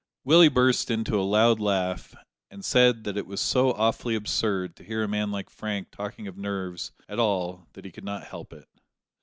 Willie burst into a loud laugh, and said that it was so awfully absurd to hear a man like Frank talking of nerves at all that he could not help it.